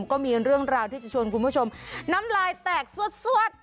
ก็มีเรื่องราวที่จะชวนคุณผู้ชมน้ำลายแตกซวด